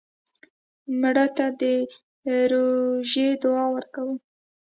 مړه ته د روژې دعا ورکوو